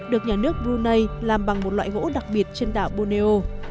được nhà nước brunei làm bằng một loại gỗ đặc biệt trên đảo borneio